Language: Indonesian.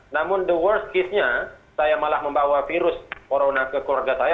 namun the worst case nya saya malah membawa virus corona ke keluarga saya